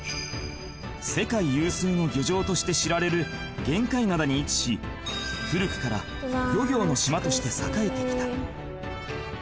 ［世界有数の漁場として知られる玄界灘に位置し古くから漁業の島として栄えてきた］